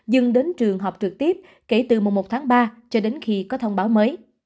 dừng đến trường họp trực tiếp kể từ mùa một tháng ba cho đến khi có thông báo mới